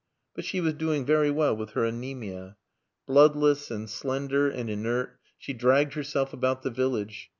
But she was doing very well with her anæmia. Bloodless and slender and inert, she dragged herself about the village.